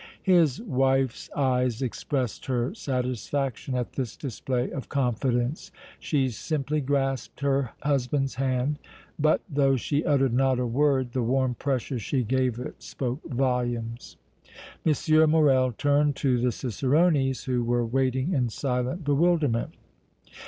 His wife's eyes expressed her satisfaction at this display of confidence; she simply grasped her husband's hand, but though she uttered not a word the warm pressure she gave it spoke volumes. M. Morrel turned to the cicerones, who were waiting in silent bewilderment.